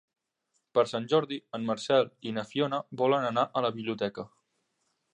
Per Sant Jordi en Marcel i na Fiona volen anar a la biblioteca.